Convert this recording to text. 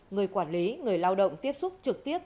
người quản lý người lao động tiếp xúc trực tiếp